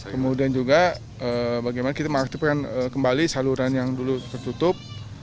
kemudian juga bagaimana kita mengaktifkan kembali saluran yang dulu tertutup